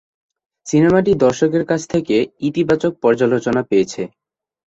সিনেমাটি দর্শকদের কাছ থেকে ইতিবাচক পর্যালোচনা পেয়েছে।